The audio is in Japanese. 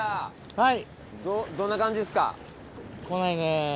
はい。